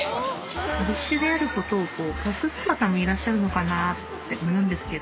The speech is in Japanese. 義手であることを隠す方もいらっしゃるのかなと思うんですけど。